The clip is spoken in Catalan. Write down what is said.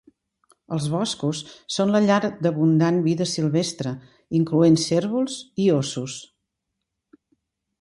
Els boscos són la llar d'abundant vida silvestre, incloent cérvols i ossos.